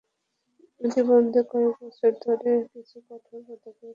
এটি বন্ধে কয়েক বছর ধরে কিছু কঠোর পদক্ষেপ নেয় শিক্ষা মন্ত্রণালয়।